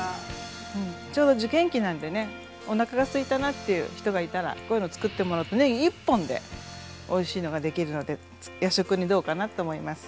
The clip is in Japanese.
うんちょうど受験期なんでねおなかがすいたなっていう人がいたらこういうのつくってもらうとねぎ１本でおいしいのができるので夜食にどうかなと思います。